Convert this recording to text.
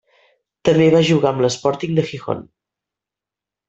També va jugar amb l'Sporting de Gijón.